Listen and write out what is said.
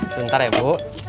sebentar ya bu